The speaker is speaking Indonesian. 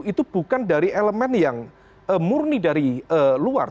itu bukan dari elemen yang murni dari luar